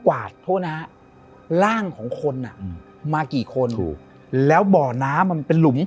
วาดโทษนะฮะร่างของคนอ่ะอืมมากี่คนถูกแล้วบ่อน้ำมันเป็นหลุม